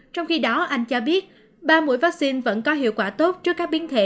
trong khi đó anh cho biết ba mũi vaccine vẫn có hiệu quả tốt trước các biến thể